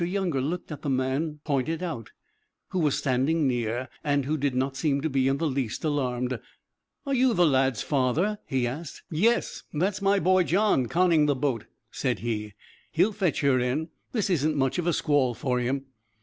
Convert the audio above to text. Younger looked at the man pointed out, who was standing near, and who did not seem to be in the least alarmed. "Are you the lad's father?" he asked. The man looked up and nodded. "Yes, that's my boy John conning the boat," said he. "He'll fetch her in. This isn't much of a squall for him!"